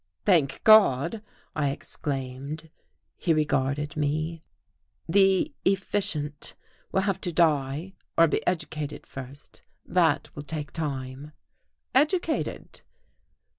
"Thank God!" I exclaimed. He regarded me. "The 'efficient' will have to die or be educated first. That will take time." "Educated!"